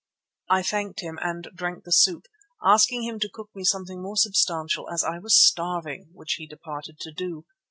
I thanked him and drank the soup, asking him to cook me something more substantial as I was starving, which he departed to do.